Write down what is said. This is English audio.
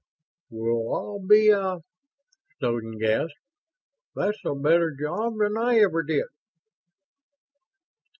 "Well, I'll be a ..." Snowden gasped. "That's a better job than I ever did!"